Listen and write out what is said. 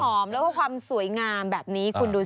มันเพิ่มความหอมแล้วก็ความสวยงามแบบนี้คุณดูสิ